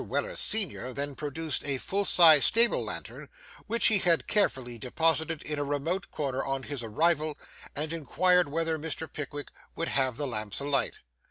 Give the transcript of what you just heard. Weller, senior, then produced a full sized stable lantern, which he had carefully deposited in a remote corner, on his arrival, and inquired whether Mr. Pickwick would have 'the lamps alight.